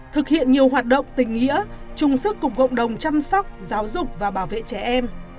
thực hiện nhiều hoạt động tình nghĩa chung sức cùng cộng đồng chăm sóc giáo dục và bảo vệ trẻ em